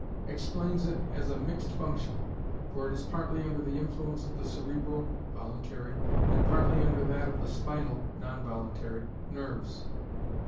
explains it as a mixed function, for it is partly under the influence of the cerebral (voluntary), and partly under that of the spinal (non voluntary) nerves.